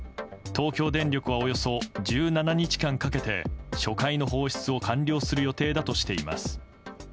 東京電力はおよそ１７日間かけて初回の放出を完了する予定だとしています。